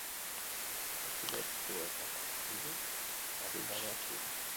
Atxilotuetako hiru adingabeak dira.